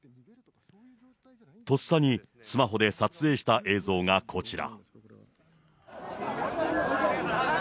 とっさにスマホで撮影した映像がこちら。